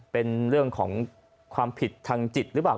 เป็นเรื่องของความผิดทางจิตหรือเปล่า